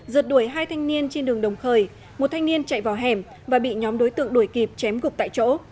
rượt đuổi hai thanh niên trên đường đồng khởi một thanh niên chạy vào hẻm và bị nhóm đối tượng đuổi kịp chém gục tại chỗ